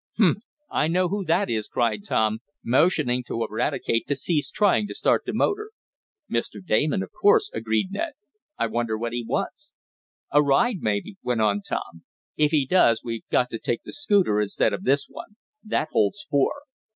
"Humph! I know who that is!" cried Tom, motioning to Eradicate to cease trying to start the motor. "Mr. Damon, of course," agreed Ned. "I wonder what he wants?" "A ride, maybe," went on Tom. "If he does we've got to take the Scooter instead of this one. That holds four.